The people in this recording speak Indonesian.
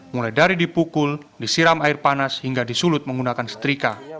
mulai dari dipukul disiram air panas hingga disulut menggunakan setrika